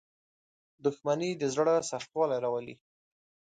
• دښمني د زړه سختوالی راولي.